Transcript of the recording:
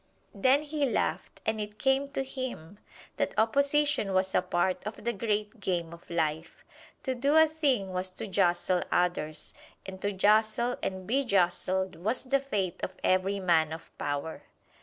Then he laughed, and it came to him that opposition was a part of the great game of life. To do a thing was to jostle others, and to jostle and be jostled was the fate of every man of power.